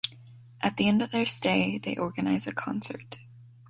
At the end of their stay, they organize a concert.